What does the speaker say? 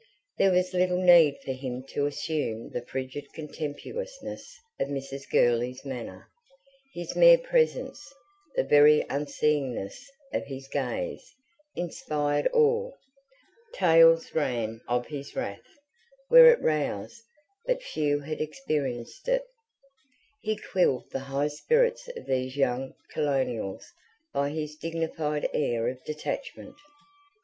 There was little need for him to assume the frigid contemptuousness of Mrs. Gurley's manner: his mere presence, the very unseeingness of his gaze, inspired awe. Tales ran of his wrath, were it roused; but few had experienced it. He quelled the high spirits of these young [P.93] colonials by his dignified air of detachment.